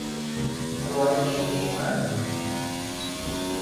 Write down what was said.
แค่ร้อยปีนี่เองมั้ง